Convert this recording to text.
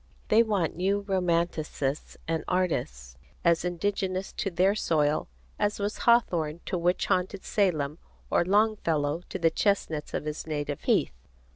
They want new romanticists and artists as indigenous to their soil as was Hawthorne to witch haunted Salem or Longfellow to the chestnuts of his native heath.